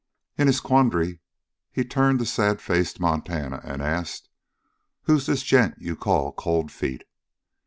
In his quandary he turned to sad faced Montana and asked: "Who's this gent you call Cold Feet?"